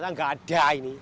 ambilan gak ada ini